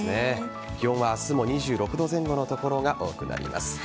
気温は明日も２６度前後の所が多くなります。